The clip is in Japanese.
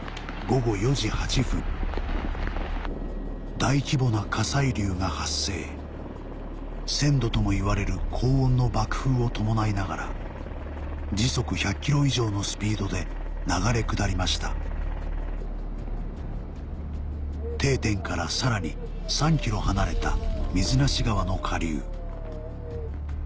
大規模な火砕流が発生１０００℃ともいわれる高温の爆風を伴いながら時速１００ｋｍ以上のスピードで流れ下りました「定点」からさらに３ｋｍ離れた水無川の下流